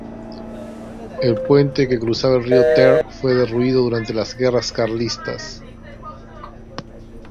El puente que cruzaba el río Ter fue derruido durante las guerras carlistas.